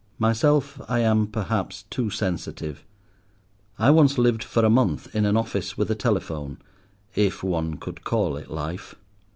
Myself, I am, perhaps, too sensitive. I once lived for a month in an office with a telephone, if one could call it life.